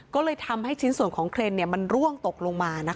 ก็เลยทำให้ชิ้นส่วนของเครนมันร่วงตกลงมา